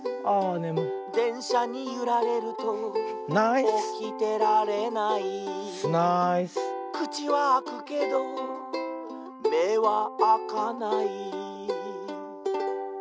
「でんしゃにゆられるとおきてられない」「くちはあくけどめはあかない」